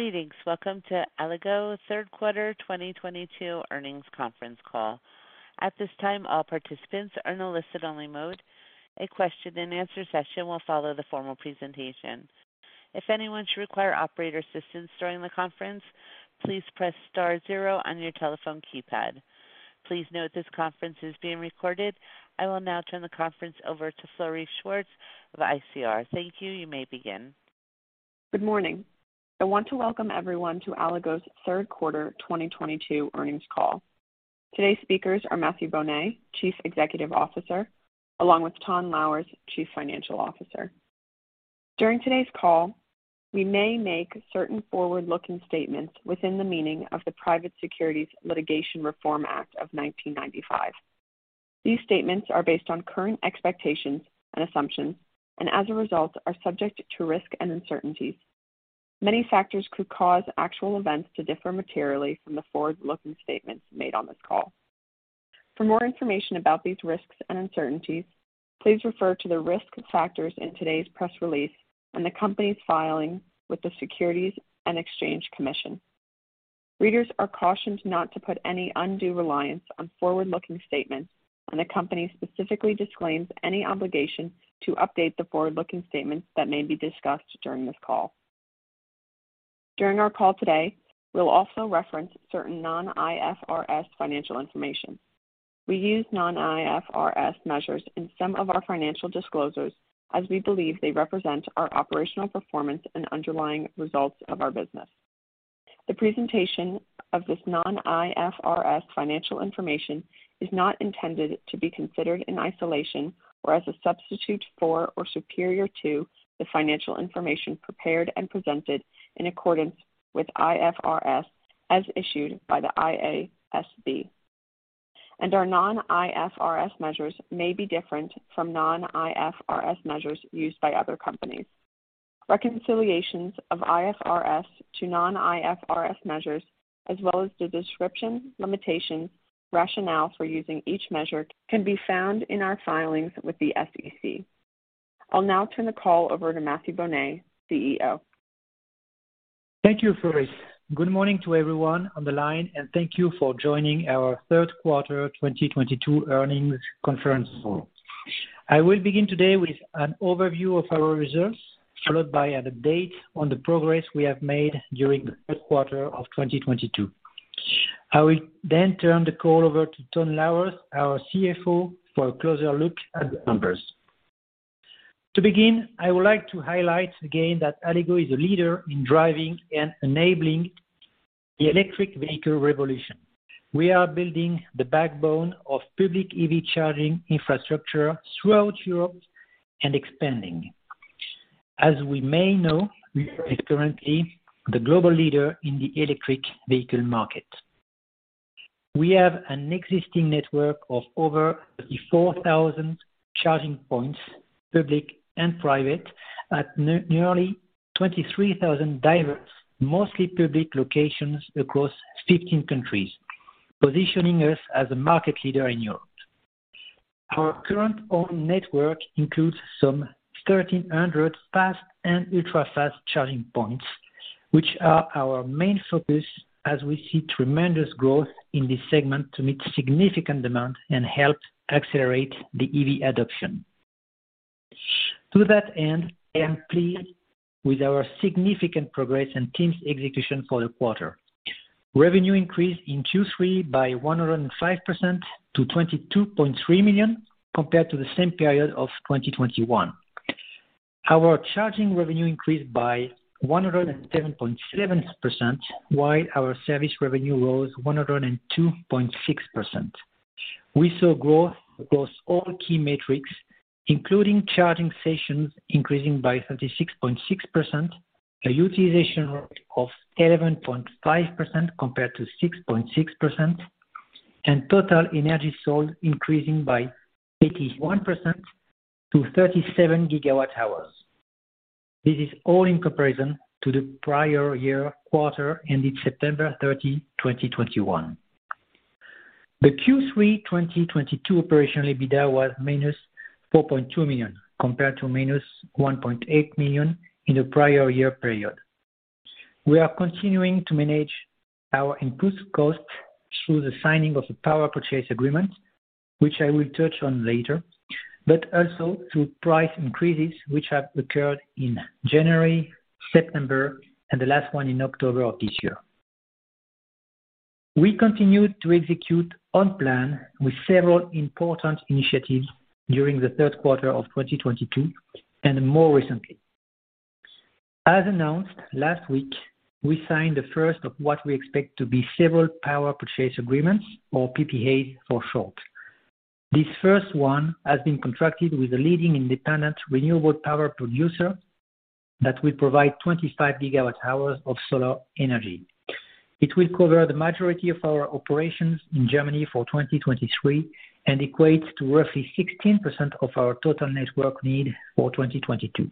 Greetings. Welcome to Allego's Third Quarter 2022 Earnings Conference Call. At this time, all participants are in a listen only mode. A question and answer session will follow the formal presentation. If anyone should require operator assistance during the conference, please press star zero on your telephone keypad. Please note this conference is being recorded. I will now turn the conference over to Sari Schwartz of ICR. Thank you. You may begin. Good morning. I want to welcome everyone to Allego's Third Quarter 2022 Earnings Call. Today's speakers are Mathieu Bonnet, Chief Executive Officer, along with Ton Louwers, Chief Financial Officer. During today's call, we may make certain forward-looking statements within the meaning of the Private Securities Litigation Reform Act of 1995. These statements are based on current expectations and assumptions and as a result are subject to risk and uncertainties. Many factors could cause actual events to differ materially from the forward-looking statements made on this call. For more information about these risks and uncertainties, please refer to the risk factors in today's press release and the company's filing with the Securities and Exchange Commission. Readers are cautioned not to put any undue reliance on forward-looking statements, and the company specifically disclaims any obligation to update the forward-looking statements that may be discussed during this call. During our call today, we'll also reference certain non-IFRS financial information. We use non-IFRS measures in some of our financial disclosures as we believe they represent our operational performance and underlying results of our business. The presentation of this non-IFRS financial information is not intended to be considered in isolation or as a substitute for or superior to the financial information prepared and presented in accordance with IFRS as issued by the IASB. Our non-IFRS measures may be different from non-IFRS measures used by other companies. Reconciliations of IFRS to non-IFRS measures as well as the description, limitations, rationale for using each measure can be found in our filings with the SEC. I'll now turn the call over to Mathieu Bonnet, CEO. Thank you, Sari Schwartz. Good morning to everyone on the line, and thank you for joining our third quarter 2022 earnings conference call. I will begin today with an overview of our results, followed by an update on the progress we have made during the third quarter of 2022. I will then turn the call over to Ton Louwers, our CFO, for a closer look at the numbers. To begin, I would like to highlight again that Allego is a leader in driving and enabling the electric vehicle revolution. We are building the backbone of public EV charging infrastructure throughout Europe and expanding. As we may know, we are currently the global leader in the electric vehicle market. We have an existing network of over 34,000 charging points, public and private, at nearly 23,000 diverse, mostly public locations across 15 countries, positioning us as a market leader in Europe. Our current owned network includes some 1,300 fast and ultra-fast charging points, which are our main focus as we see tremendous growth in this segment to meet significant demand and help accelerate the EV adoption. To that end, I am pleased with our significant progress and team's execution for the quarter. Revenue increased in Q3 by 105% to 22.3 million compared to the same period of 2021. Our charging revenue increased by 107.7%, while our service revenue rose 102.6%. We saw growth across all key metrics, including charging sessions increasing by 36.6%, a utilization rate of 11.5% compared to 6.6%, and total energy sold increasing by 81% to 37 GW hours. This is all in comparison to the prior year quarter ending September 30, 2021. The Q3 2022 operational EBITDA was -4.2 million, compared to -1.8 million in the prior year period. We are continuing to manage our input costs through the signing of the power purchase agreement, which I will touch on later, but also through price increases which have occurred in January, September, and the last one in October of this year. We continued to execute on plan with several important initiatives during the third quarter of 2022 and more recently. As announced last week, we signed the first of what we expect to be several power purchase agreements or PPAs for short. This first one has been contracted with a leading independent renewable power producer that will provide 25 GW hours of solar energy. It will cover the majority of our operations in Germany for 2023 and equates to roughly 16% of our total network need for 2022.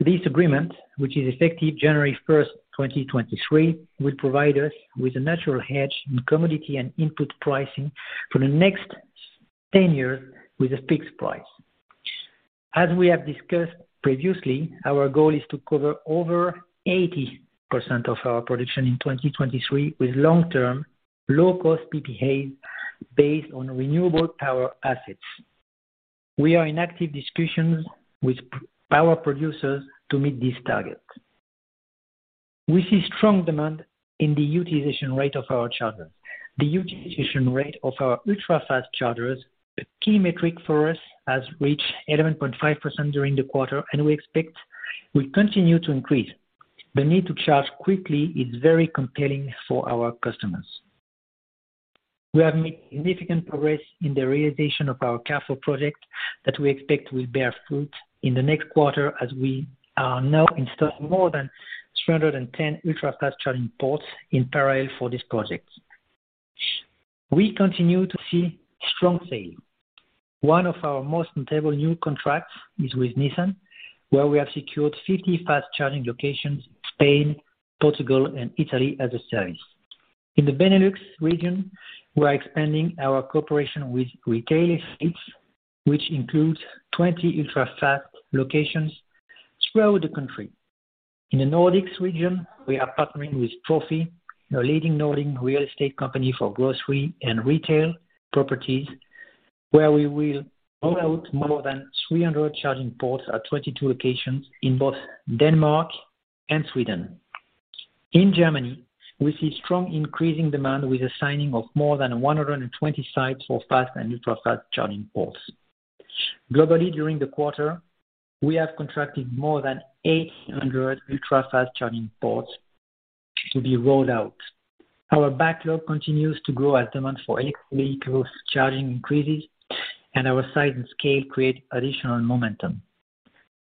This agreement, which is effective January 1, 2023, will provide us with a natural hedge in commodity and input pricing for the next 10 years with a fixed price. As we have discussed previously, our goal is to cover over 80% of our production in 2023 with long-term, low-cost PPAs based on renewable power assets. We are in active discussions with power producers to meet these targets. We see strong demand in the utilization rate of our chargers. The utilization rate of our ultra-fast chargers, a key metric for us, has reached 11.5% during the quarter, and we expect will continue to increase. The need to charge quickly is very compelling for our customers. We have made significant progress in the realization of our Carrefour project that we expect will bear fruit in the next quarter, as we are now installing more than 310 ultra-fast charging ports in parallel for this project. We continue to see strong sales. One of our most notable new contracts is with Nissan, where we have secured 50 fast charging locations in Spain, Portugal, and Italy as a service. In the Benelux region, we are expanding our cooperation with Retail Estates, which includes 20 ultra-fast locations throughout the country. In the Nordics region, we are partnering with Profi Fastigheter, a leading Nordic real estate company for grocery and retail properties, where we will roll out more than 300 charging ports at 22 locations in both Denmark and Sweden. In Germany, we see strong increasing demand with the signing of more than 120 sites for fast and ultra-fast charging ports. Globally, during the quarter, we have contracted more than 800 ultra-fast charging ports to be rolled out. Our backlog continues to grow as demand for electric vehicles charging increases, and our size and scale create additional momentum.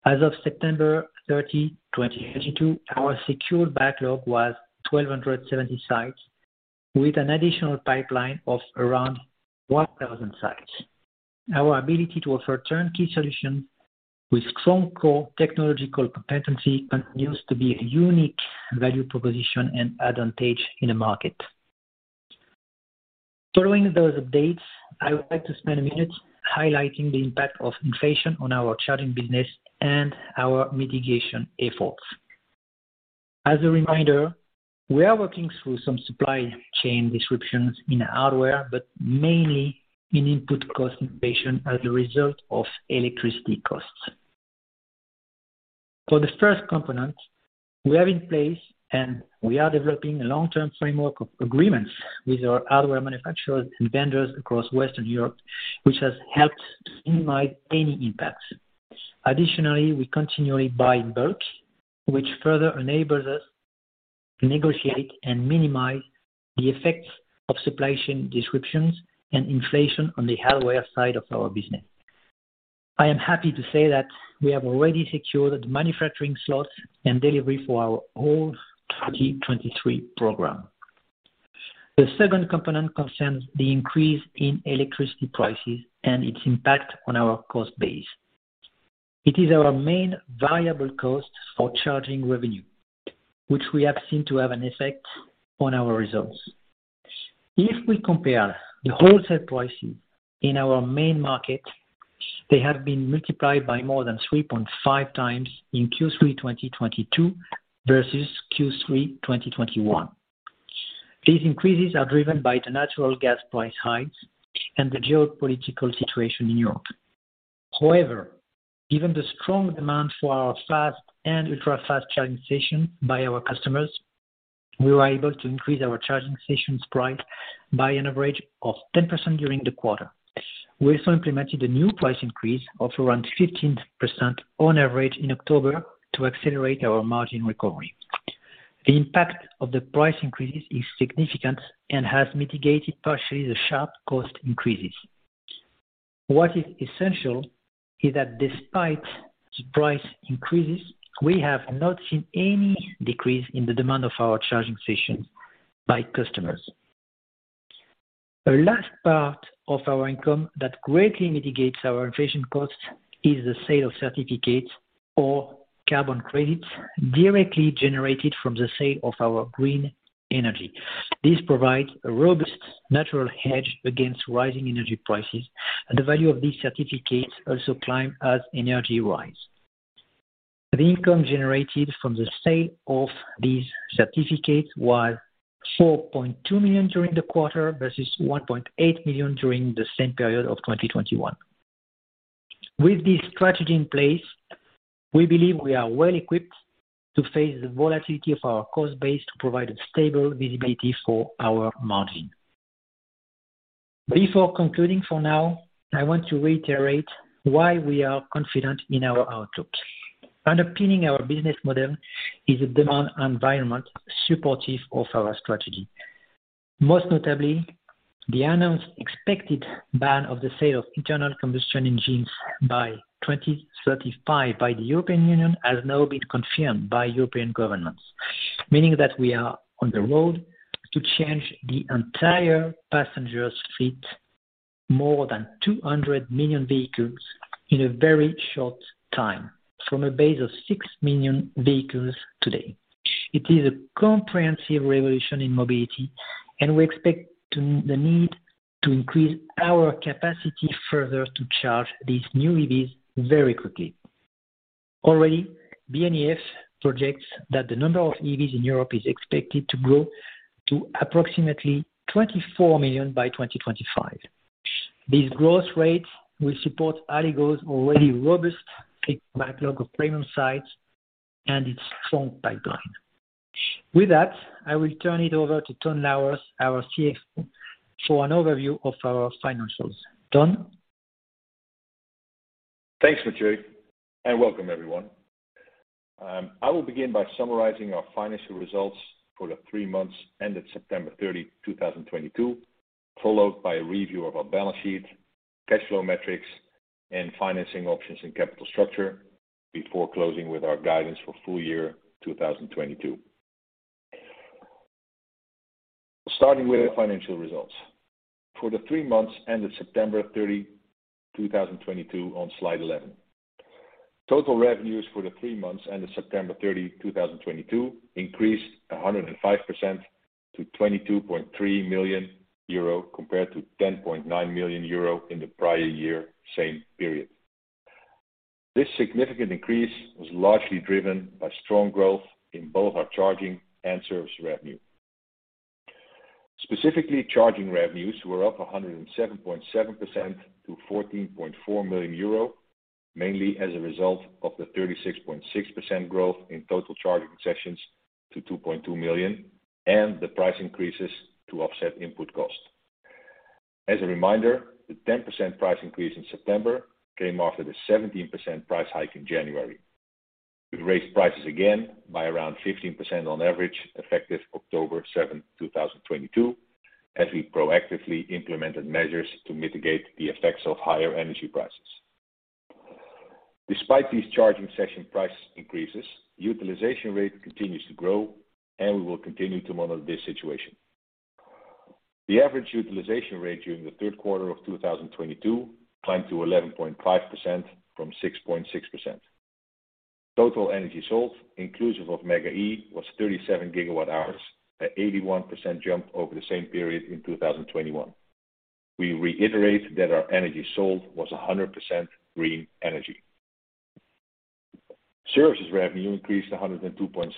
As of September 30, 2022, our secured backlog was 1,270 sites, with an additional pipeline of around 1,000 sites. Our ability to offer turnkey solutions with strong core technological competency continues to be a unique value proposition and advantage in the market. Following those updates, I would like to spend a minute highlighting the impact of inflation on our charging business and our mitigation efforts. As a reminder, we are working through some supply chain disruptions in hardware, but mainly in input cost inflation as a result of electricity costs. For the first component, we have in place and we are developing a long-term framework of agreements with our hardware manufacturers and vendors across Western Europe, which has helped to minimize any impacts. Additionally, we continually buy in bulk, which further enables us to negotiate and minimize the effects of supply chain disruptions and inflation on the hardware side of our business. I am happy to say that we have already secured manufacturing slots and delivery for our whole 2023 program. The second component concerns the increase in electricity prices and its impact on our cost base. It is our main variable cost for charging revenue, which we have seen to have an effect on our results. If we compare the wholesale prices in our main markets, they have been multiplied by more than 3.5 times in Q3 2022 versus Q3 2021. These increases are driven by the natural gas price hikes and the geopolitical situation in Europe. However, given the strong demand for our fast and ultra-fast charging stations by our customers, we were able to increase our charging stations price by an average of 10% during the quarter. We also implemented a new price increase of around 15% on average in October to accelerate our margin recovery. The impact of the price increases is significant and has mitigated partially the sharp cost increases. What is essential is that despite the price increases, we have not seen any decrease in the demand of our charging stations by customers. The last part of our income that greatly mitigates our inflation costs is the sale of certificates or carbon credits directly generated from the sale of our green energy. This provides a robust natural hedge against rising energy prices, and the value of these certificates also climb as energy rise. The income generated from the sale of these certificates was 4.2 million during the quarter versus 1.8 million during the same period of 2021. With this strategy in place, we believe we are well equipped to face the volatility of our cost base to provide a stable visibility for our margin. Before concluding for now, I want to reiterate why we are confident in our outlook. Underpinning our business model is a demand environment supportive of our strategy. Most notably, the announced expected ban of the sale of internal combustion engines by 2035 by the European Union has now been confirmed by European governments, meaning that we are on the road to change the entire passenger fleet, more than 200 million vehicles, in a very short time, from a base of 6 million vehicles today. It is a comprehensive revolution in mobility, and we expect the need to increase our capacity further to charge these new EVs very quickly. Already, BNEF projects that the number of EVs in Europe is expected to grow to approximately 24 million by 2025. These growth rates will support Allego's already robust big backlog of premium sites and its strong pipeline. With that, I will turn it over to Ton Louwers, our CFO, for an overview of our financials. Ton? Thanks, Mathieu, and welcome everyone. I will begin by summarizing our financial results for the three months ended September 30, 2022, followed by a review of our balance sheet, cash flow metrics, and financing options and capital structure before closing with our guidance for full year 2022. Starting with our financial results. For the three months ended September 30, 2022 on slide 11. Total revenues for the three months ended September 30, 2022 increased 105% to 22.3 million euro compared to 10.9 million euro in the prior year same period. This significant increase was largely driven by strong growth in both our charging and service revenue. Specifically, charging revenues were up 107.7% to 14.4 million euro, mainly as a result of the 36.6% growth in total charging sessions to 2.2 million and the price increases to offset input costs. As a reminder, the 10% price increase in September came after the 17% price hike in January. We raised prices again by around 15% on average, effective October 7, 2022, as we proactively implemented measures to mitigate the effects of higher energy prices. Despite these charging session price increases, utilization rate continues to grow, and we will continue to monitor this situation. The average utilization rate during the third quarter of 2022 climbed to 11.5% from 6.6%. Total energy sold inclusive of Mega-E was 37 GW hours, an 81% jump over the same period in 2021. We reiterate that our energy sold was 100% green energy. Services revenue increased 102.6%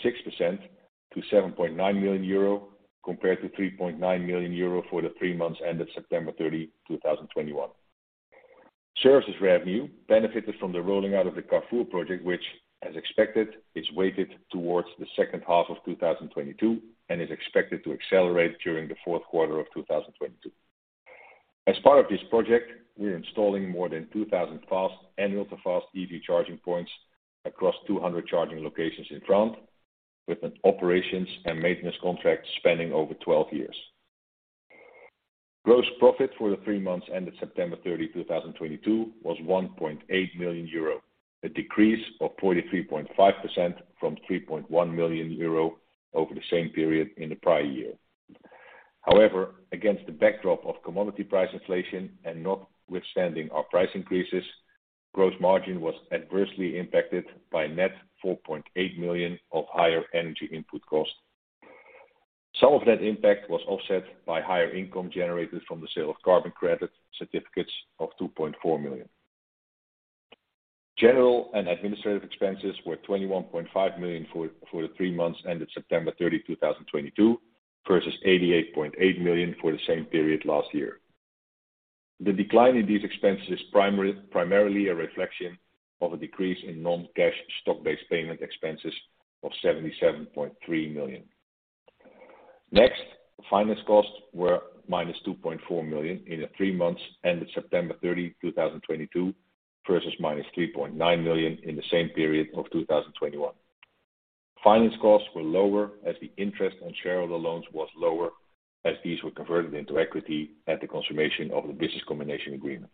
to 7.9 million euro, compared to 3.9 million euro for the three months ended September 30, 2021. Services revenue benefited from the rolling out of the Carrefour project, which, as expected, is weighted towards the second half of 2022 and is expected to accelerate during the fourth quarter of 2022. As part of this project, we're installing more than 2,000 fast and ultra-fast EV charging points across 200 charging locations in France with an operations and maintenance contract spanning over 12 years. Gross profit for the three months ended September 30, 2022 was 1.8 million euro, a decrease of 43.5% from 3.1 million euro over the same period in the prior year. However, against the backdrop of commodity price inflation and notwithstanding our price increases, gross margin was adversely impacted by net 4.8 million of higher energy input cost. Some of that impact was offset by higher income generated from the sale of carbon credit certificates of 2.4 million. General and administrative expenses were 21.5 million for the three months ended September 30, 2022, versus 88.8 million for the same period last year. The decline in these expenses is primarily a reflection of a decrease in non-cash stock-based payment expenses of 77.3 million. Next, finance costs were -2.4 million in the three months ended September 30, 2022, versus -3.9 million in the same period of 2021. Finance costs were lower as the interest on shareholder loans was lower as these were converted into equity at the consummation of the business combination agreement.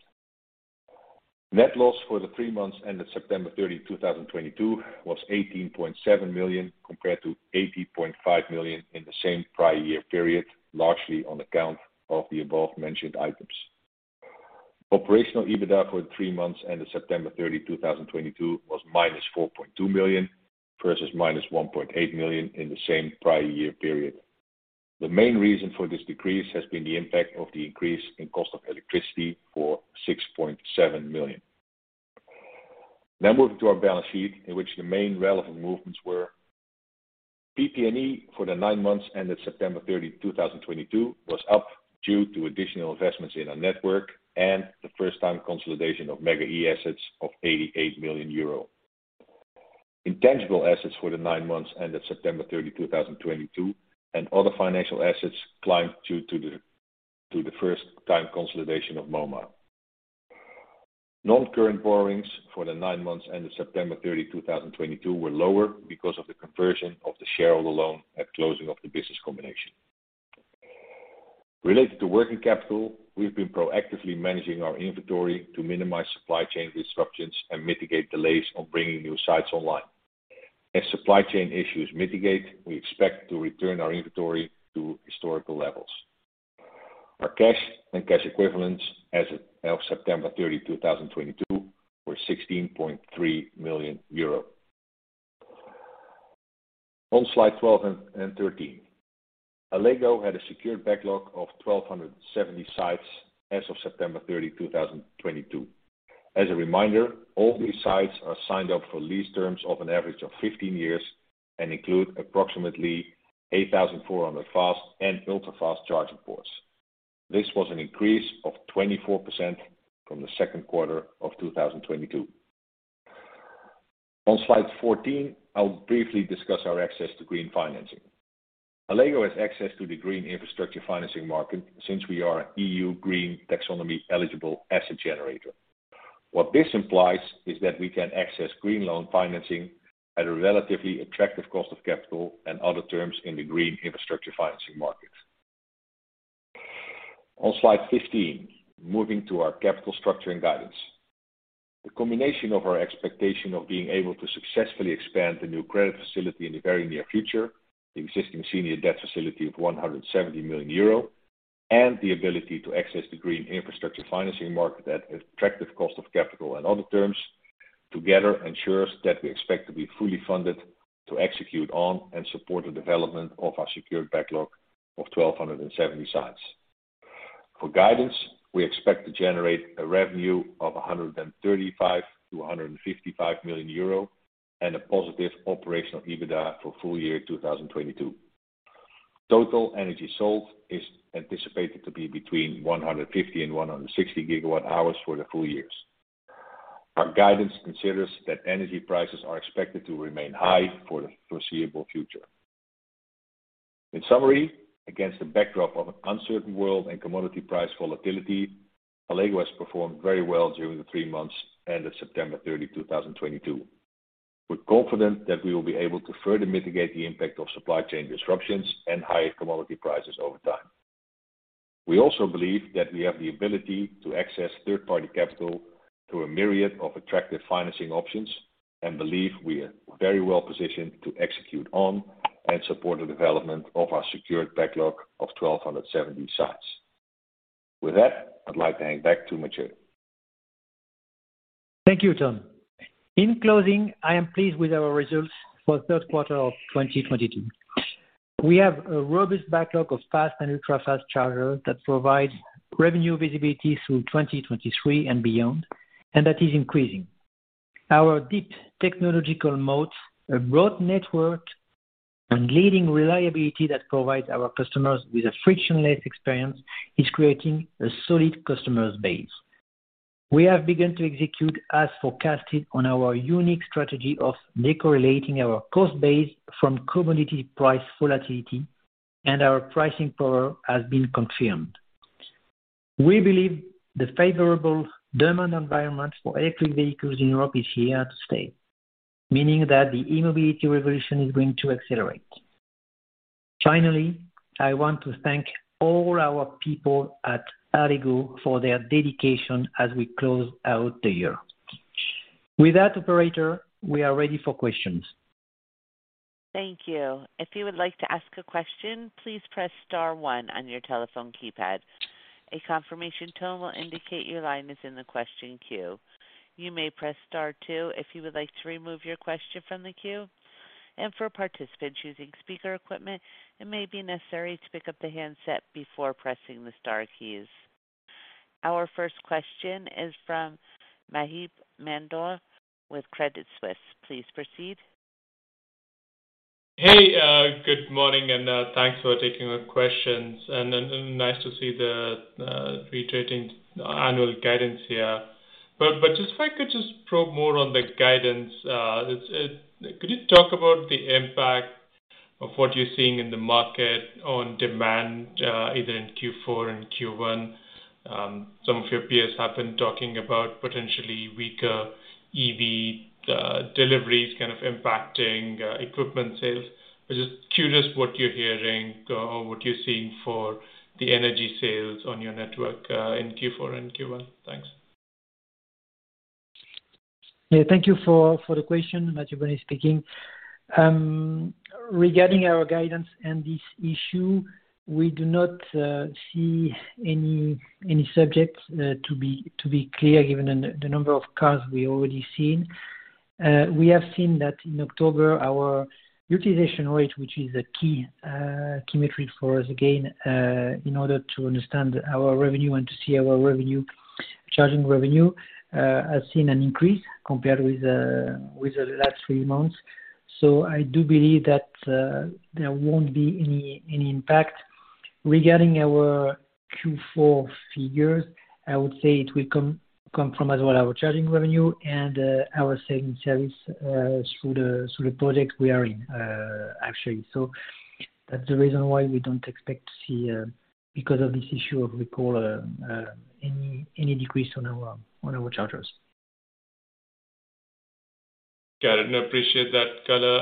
Net loss for the three months ended September 30, 2022 was 18.7 million compared to 80.5 million in the same prior year period, largely on account of the above mentioned items. Operational EBITDA for the three months ended September 30, 2022 was -4.2 million versus -1.8 million in the same prior year period. The main reason for this decrease has been the impact of the increase in cost of electricity for 6.7 million. Now moving to our balance sheet in which the main relevant movements were PP&E for the nine months ended September 30, 2022 was up due to additional investments in our network and the first time consolidation of Mega-E assets of 88 million euro. Intangible assets for the nine months ended September 30, 2022 and other financial assets climbed due to the first time consolidation of Moma. Non-current borrowings for the nine months ended September 30, 2022 were lower because of the conversion of the shareholder loan at closing of the business combination. Related to working capital, we've been proactively managing our inventory to minimize supply chain disruptions and mitigate delays on bringing new sites online. As supply chain issues mitigate, we expect to return our inventory to historical levels. Our cash and cash equivalents as of September 30, 2022 were EUR 16.3 million. On slide 12 and 13. Allego had a secured backlog of 1,270 sites as of September 30, 2022. As a reminder, all these sites are signed up for lease terms of an average of 15 years and include approximately 8,400 fast and ultra-fast charging ports. This was an increase of 24% from the second quarter of 2022. On slide 14, I'll briefly discuss our access to green financing. Allego has access to the green infrastructure financing market since we are EU Taxonomy-eligible asset generator. What this implies is that we can access green loan financing at a relatively attractive cost of capital and other terms in the green infrastructure financing market. On slide 15, moving to our capital structure and guidance. The combination of our expectation of being able to successfully expand the new credit facility in the very near future, the existing senior debt facility of 170 million euro, and the ability to access the green infrastructure financing market at attractive cost of capital and other terms together ensures that we expect to be fully funded to execute on and support the development of our secured backlog of 1,270 sites. For guidance, we expect to generate a revenue of 135 million-155 million euro and a positive operational EBITDA for full year 2022. Total energy sold is anticipated to be between 150 and 160 GW hours for the full years. Our guidance considers that energy prices are expected to remain high for the foreseeable future. In summary, against the backdrop of an uncertain world and commodity price volatility, Allego has performed very well during the three months ended September 30, 2022. We're confident that we will be able to further mitigate the impact of supply chain disruptions and higher commodity prices over time. We also believe that we have the ability to access third-party capital through a myriad of attractive financing options, and believe we are very well positioned to execute on and support the development of our secured backlog of 1,270 sites. With that, I'd like to hand back to Mathieu. Thank you, Ton. In closing, I am pleased with our results for the third quarter of 2022. We have a robust backlog of fast and ultra-fast chargers that provide revenue visibility through 2023 and beyond, and that is increasing. Our deep technological moats, a broad network and leading reliability that provides our customers with a frictionless experience is creating a solid customer base. We have begun to execute as forecasted on our unique strategy of decorrelating our cost base from commodity price volatility, and our pricing power has been confirmed. We believe the favorable demand environment for electric vehicles in Europe is here to stay, meaning that the e-mobility revolution is going to accelerate. Finally, I want to thank all our people at Allego for their dedication as we close out the year. With that, operator, we are ready for questions. Thank you. If you would like to ask a question, please press star one on your telephone keypad. A confirmation tone will indicate your line is in the question queue. You may press star two if you would like to remove your question from the queue. For participants using speaker equipment, it may be necessary to pick up the handset before pressing the star keys. Our first question is from Maheep Mandloi with Credit Suisse. Please proceed. Hey, good morning, and thanks for taking the questions and nice to see the reiterating annual guidance here. Just if I could just probe more on the guidance, could you talk about the impact of what you're seeing in the market on demand, either in Q4 and Q1? Some of your peers have been talking about potentially weaker EV deliveries kind of impacting equipment sales. I was just curious what you're hearing or what you're seeing for the energy sales on your network in Q4 and Q1. Thanks. Yeah. Thank you for the question. Mathieu Bonnet speaking. Regarding our guidance and this issue, we do not see any subjects to be clear, given the number of cars we already seen. We have seen that in October, our utilization rate, which is a key metric for us, again, in order to understand our revenue and to see our revenue, charging revenue, has seen an increase compared with the last three months. I do believe that there won't be any impact. Regarding our Q4 figures, I would say it will come from as well our charging revenue and our segment service through the project we are in, actually. That's the reason why we don't expect to see, because of this issue of recall, any decrease on our chargers. Got it, and appreciate that color.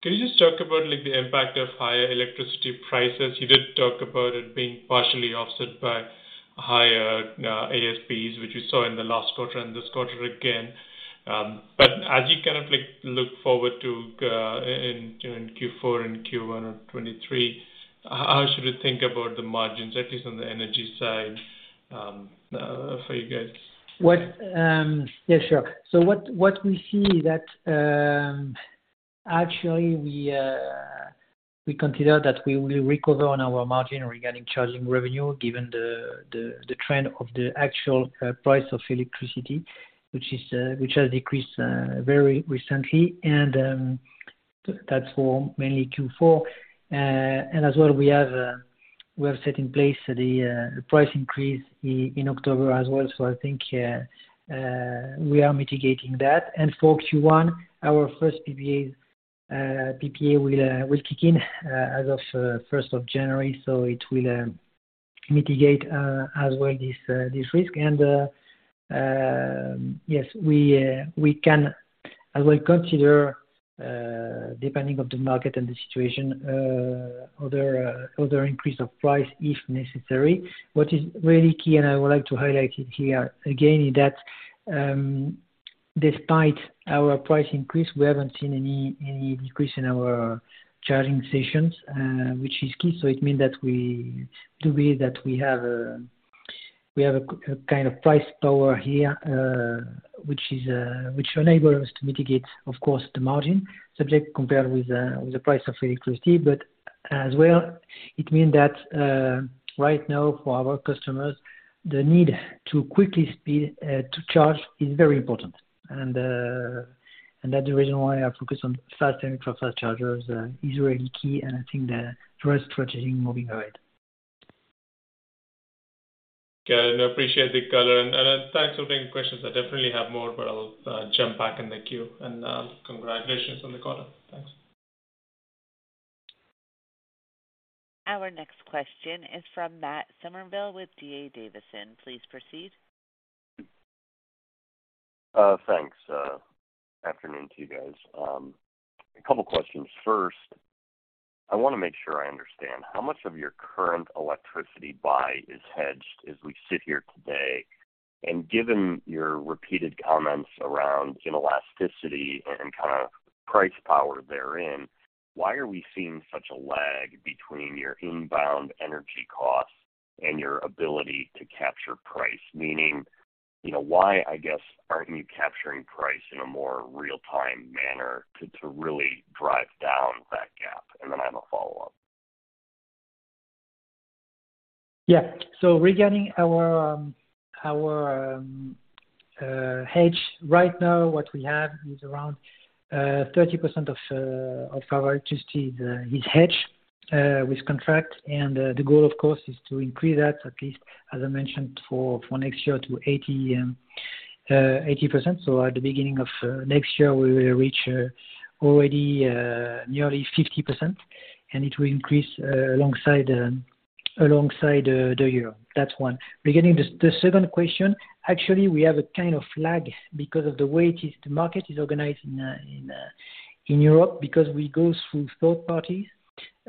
Can you just talk about, like, the impact of higher electricity prices? You did talk about it being partially offset by higher ASPs, which we saw in the last quarter and this quarter again. But as you kind of, like, look forward to in, you know, in Q4 and Q1 of 2023, how should we think about the margins, at least on the energy side, for you guys? What? Yeah, sure. What we see is that actually we consider that we will recover on our margin regarding charging revenue given the trend of the actual price of electricity, which has decreased very recently. That's for mainly Q4. As well we have set in place the price increase in October as well. I think we are mitigating that. For Q1, our first PPA will kick in as of first of January, so it will mitigate as well this risk. Yes, we can as well consider, depending on the market and the situation, other increase of price if necessary. What is really key, and I would like to highlight it here again, is that despite our price increase, we haven't seen any decrease in our charging sessions, which is key. It means that we believe that we have a kind of price power here, which enables us to mitigate, of course, the margin subject compared with the price of electricity. As well, it means that right now for our customers, the need to quickly speed to charge is very important. And that's the reason why I focus on fast and ultra-fast chargers is really key and I think the right strategy moving ahead. Got it. I appreciate the color and thanks for taking questions. I definitely have more, but I'll jump back in the queue. Congratulations on the quarter. Thanks. Our next question is from Matt Summerville with D.A. Davidson. Please proceed. Thanks. Afternoon to you guys. A couple questions. First, I want to make sure I understand, how much of your current electricity buy is hedged as we sit here today? And given your repeated comments around inelasticity and kind of pricing power therein, why are we seeing such a lag between your inbound energy costs and your ability to capture pricing? Meaning, you know, why, I guess, aren't you capturing pricing in a more real-time manner to really drive down that gap? And then I have a follow-up. Yeah. Regarding our hedge, right now, what we have is around 30% of our electricity is hedged with contract. The goal, of course, is to increase that at least, as I mentioned, for next year to 80%. At the beginning of next year we will reach already nearly 50% and it will increase alongside the year. That's one. Regarding the second question, actually we have a kind of lag because of the way it is, the market is organized in Europe because we go through third parties,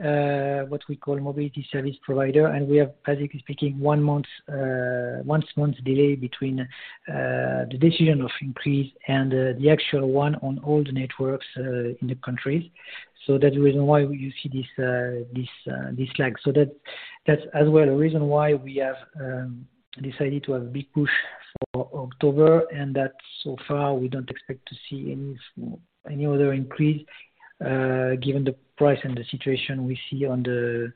what we call mobility service provider. We have, basically speaking, one month delay between the decision to increase and the actual one on all the networks in the countries. That's the reason why you see this lag. That's as well the reason why we have decided to have big push for October and that so far we don't expect to see any other increase given the price and the situation we see on the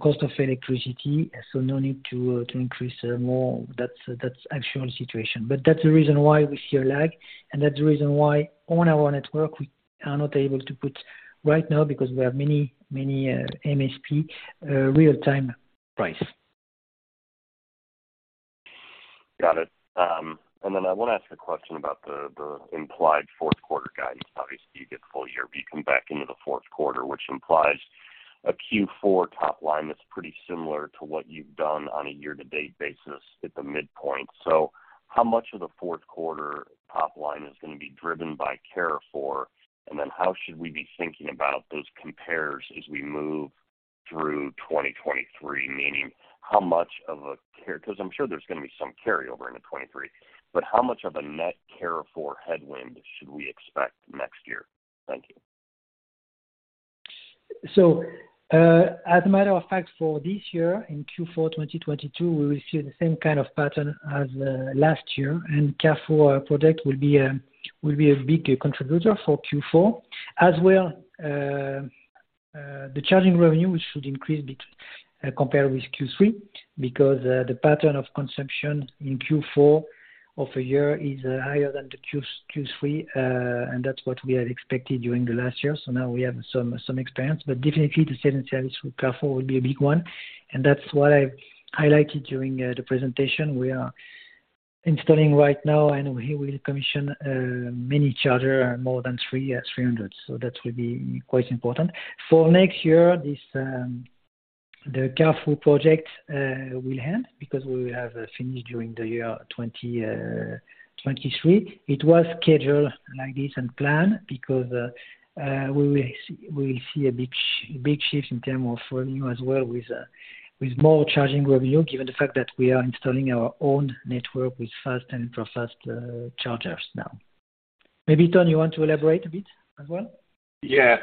cost of electricity. No need to increase more. That's actual situation. That's the reason why we see a lag, and that's the reason why on our network we are not able to put right now because we have many MSP real-time price. Got it. I want to ask a question about the implied fourth quarter guidance. Obviously you get full year, but you come back into the fourth quarter, which implies a Q4 top line that's pretty similar to what you've done on a year-to-date basis at the midpoint. How much of the fourth quarter top line is going to be driven by Carrefour? How should we be thinking about those compares as we move through 2023? Meaning 'cause I'm sure there's going to be some carryover into 2023, but how much of a net Carrefour headwind should we expect next year? Thank you. As a matter of fact, for this year in Q4 2022, we will see the same kind of pattern as last year, and Carrefour project will be a big contributor for Q4. As well, the charging revenue should increase a bit compared with Q3 because the pattern of consumption in Q4 of a year is higher than Q3. That's what we had expected during the last year. Now we have some experience, but definitely the sales and service with Carrefour will be a big one. That's what I highlighted during the presentation. We are installing right now, and we will commission many chargers, more than 300. That will be quite important. For next year, this, the Carrefour project will end because we will have finished during the year 2023. It was scheduled like this and planned because we will see a big shift in terms of revenue as well with more charging revenue, given the fact that we are installing our own network with fast and ultra-fast chargers now. Maybe Ton, you want to elaborate a bit as well? Yeah.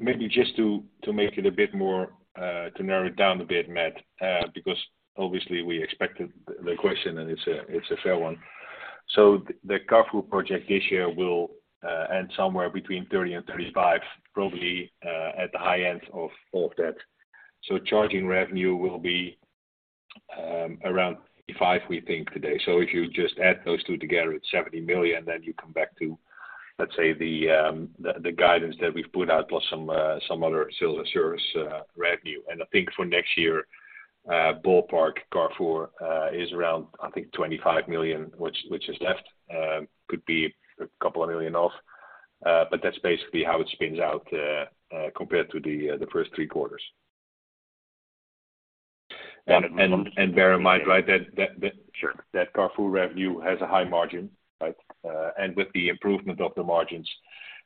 Maybe just to make it a bit more to narrow it down a bit, Matt, because obviously we expected the question, and it's a fair one. The Carrefour project this year will end somewhere between 30 million and 35 million, probably at the high end of that. Charging revenue will be around 5 million, we think today. If you just add those two together, it's 70 million, then you come back to, let's say, the guidance that we've put out, plus some other sales assurance revenue. I think for next year, ballpark Carrefour is around, I think 25 million, which is left. Could be a couple of million off. But that's basically how it spins out compared to the first three quarters. One at the moment. Bear in mind, right, that. Sure. That Carrefour revenue has a high margin, right? With the improvement of the margins,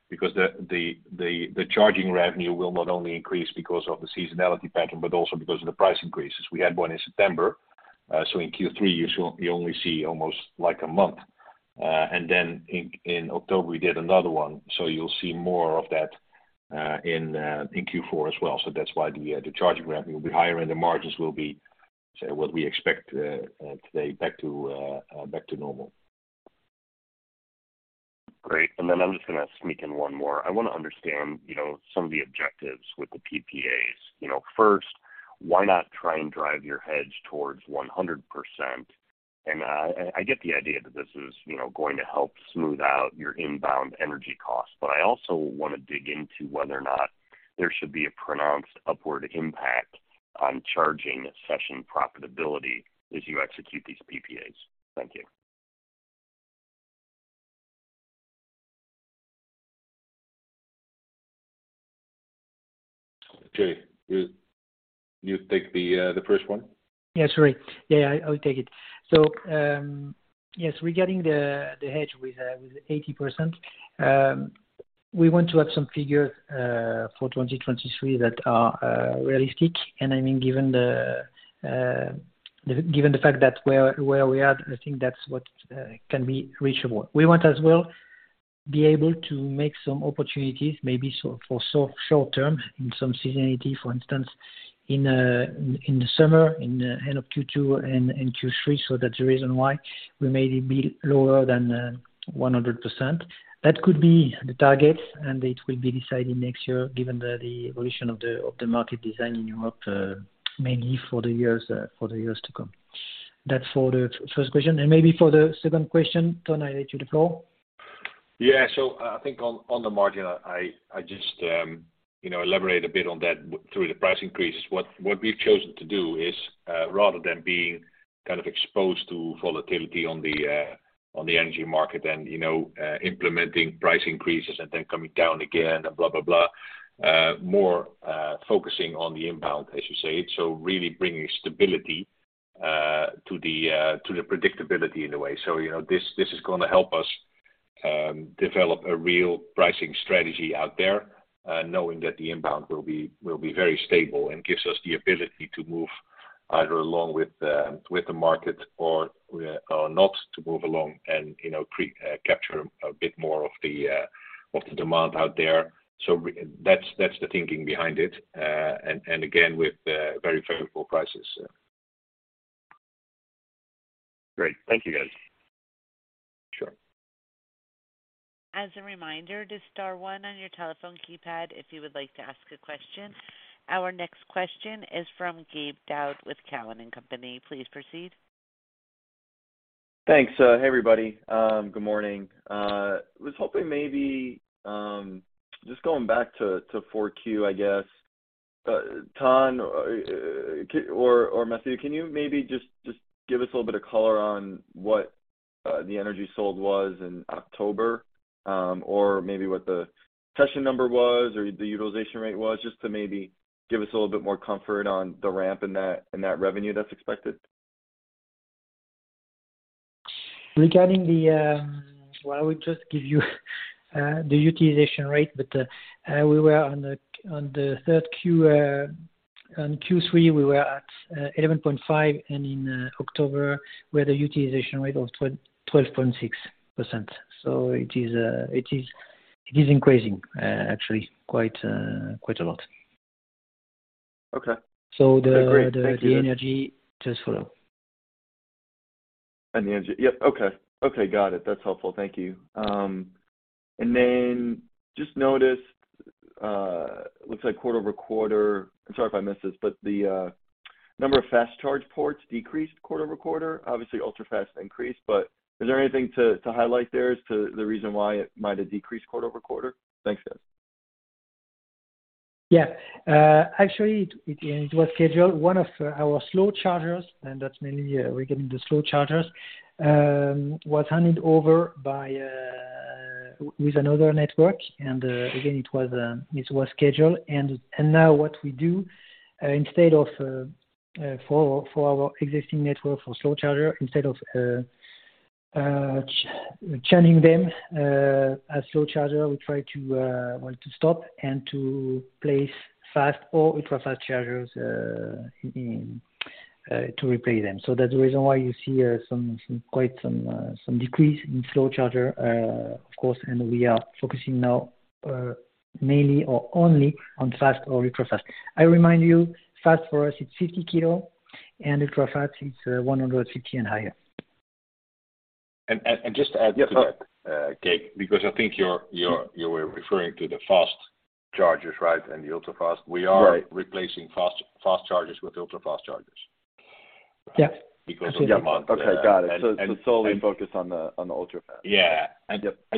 because the charging revenue will not only increase because of the seasonality pattern, but also because of the price increases. We had one in September. In Q3 you only see almost like a month. In October, we did another one. You'll see more of that in Q4 as well. That's why the charging revenue will be higher and the margins will be, say, what we expect today, back to normal. Great. Then I'm just gonna sneak in one more. I wanna understand, you know, some of the objectives with the PPAs. You know, first, why not try and drive your hedge towards 100%? I get the idea that this is, you know, going to help smooth out your inbound energy costs. I also wanna dig into whether or not there should be a pronounced upward impact on charging session profitability as you execute these PPAs. Thank you. Okay. Will you take the first one? Yeah, sorry. Yeah, I'll take it. Yes, regarding the hedge with 80%, we want to have some figure for 2023 that are realistic. I mean, given the fact that where we are, I think that's what can be reachable. We want as well be able to make some opportunities maybe short term in some seasonality, for instance, in the summer, at end of Q2 and Q3, so that's the reason why we may be lower than 100%. That could be the target, and it will be decided next year given the evolution of the market design in Europe, mainly for the years to come. That's for the first question. Maybe for the second question, Ton, I let you to go. Yeah, I think on the margin, I just, you know, elaborate a bit on that through the price increases. What we've chosen to do is rather than being kind of exposed to volatility on the energy market and, you know, implementing price increases and then coming down again and blah, blah, more focusing on the inbound, as you say, so really bringing stability to the predictability in a way. You know, this is gonna help us develop a real pricing strategy out there, knowing that the inbound will be very stable and gives us the ability to move either along with the market or not to move along and, you know, capture a bit more of the demand out there. That's the thinking behind it. Again, with very favorable prices. Great. Thank you, guys. Sure. As a reminder, just star one on your telephone keypad if you would like to ask a question. Our next question is from Gabe Daoud with Cowen and Company. Please proceed. Thanks. Hey, everybody, good morning. Was hoping maybe just going back to Q4, I guess, Ton or Mathieu, can you maybe just give us a little bit of color on what the energy sold was in October, or maybe what the session number was or the utilization rate was, just to maybe give us a little bit more comfort on the ramp in that revenue that's expected. Regarding the. Well, I would just give you the utilization rate, but we were on Q3, we were at 11.5, and in October, we had a utilization rate of 12.6%. It is increasing actually quite a lot. Okay. So the- Great. Thank you. The energy just follow. Yep. Okay. Got it. That's helpful. Thank you. Just noticed, looks like quarter-over-quarter, I'm sorry if I missed this, but the number of fast charge ports decreased quarter-over-quarter, obviously ultra-fast increased. Is there anything to highlight there as to the reason why it might have decreased quarter-over-quarter? Thanks, guys. Yeah. Actually, it was scheduled. One of our slow chargers, and that's mainly regarding the slow chargers, was handed over to another network. Again, it was scheduled. Now what we do, instead of for our existing network for slow charger, instead of expanding them as slow charger, we try to, well, to stop and to place fast or ultra-fast chargers to replace them. That's the reason why you see some quite some decrease in slow charger. Of course. We are focusing now mainly or only on fast or ultra-fast. I remind you, fast for us, it's 50 kilo and ultra-fast it's 150 and higher. Just to add to that, Gabe, because I think you were referring to the fast chargers, right? The ultra-fast. Right. We are replacing fast chargers with ultra-fast chargers. Yeah. Because of demand. Okay. Got it. Solely focused on the ultra-fast. Yeah.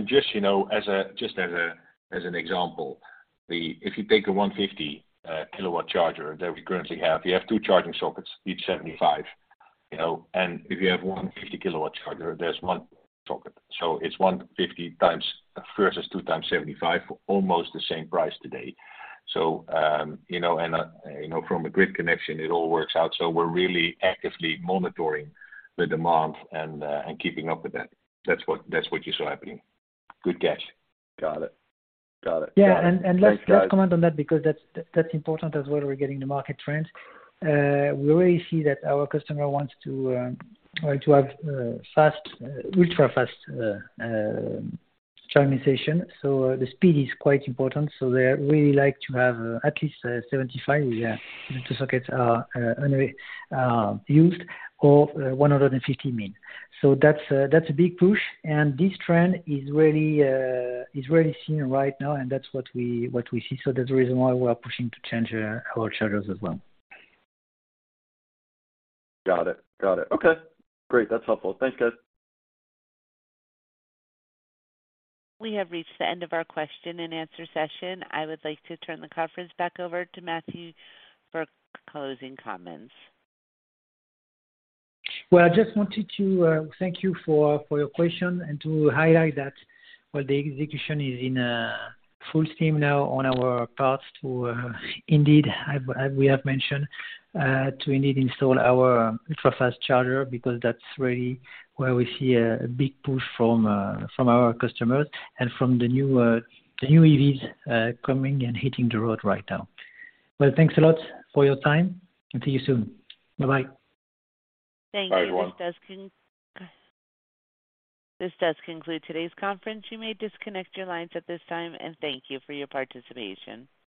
Just, you know, as an example, if you take a 150-kW charger that we currently have, you have two charging sockets, each 75, you know, and if you have 150-kW charger, there's one socket. It's 150 times versus two times 75 for almost the same price today. You know, from a grid connection, it all works out. We're really actively monitoring the demand and keeping up with that. That's what you saw happening. Good catch. Got it. Let's comment on that because that's important as well. We're getting the market trends. We already see that our customer wants to have fast ultra-fast charging station. The speed is quite important. They really like to have at least 75 if they have two sockets or anyway used or 150 kW. That's a big push. This trend is really seen right now, and that's what we see. That's the reason why we are pushing to change our chargers as well. Got it. Okay, great. That's helpful. Thanks, guys. We have reached the end of our question and answer session. I would like to turn the conference back over to Mathieu for closing comments. Well, I just wanted to thank you for your question and to highlight that, well, the execution is in full steam now on our parts to indeed, as we have mentioned, to indeed install our ultra-fast charger because that's really where we see a big push from our customers and from the new EVs coming and hitting the road right now. Well, thanks a lot for your time and see you soon. Bye-bye. Bye, everyone. Thank you. This does conclude today's conference. You may disconnect your lines at this time, and thank you for your participation.